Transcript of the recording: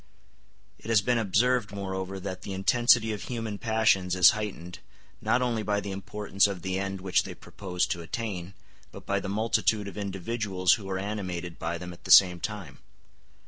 It has been observed, moreover, that the intensity of human passions is heightened, not only by the importance of the end which they propose to attain, but by the multitude of individuals who are animated by them at the same time.